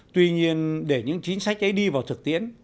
tuy nhiên để những chính sách ấy đi vào thực tiễn